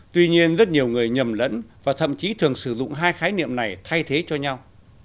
tuy nhiên rất nhiều người nhầm lẫn và thậm chí thường sử dụng hai khái niệm này thay thế cho nhau